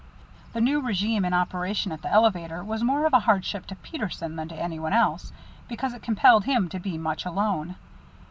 The new régime in operation at the elevator was more of a hardship to Peterson than to any one else, because it compelled him to be much alone.